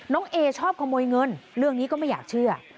เอชอบขโมยเงินเรื่องนี้ก็ไม่อยากเชื่อ